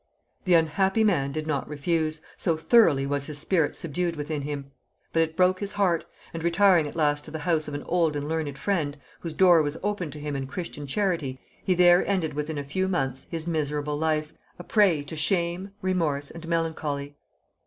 The unhappy man did not refuse, so thoroughly was his spirit subdued within him, but it broke his heart; and retiring at last to the house of an old and learned friend, whose door was opened to him in Christian charity, he there ended within a few months, his miserable life, a prey to shame, remorse and melancholy.